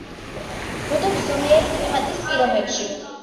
ბუდობს ზომიერი კლიმატის პირობებში.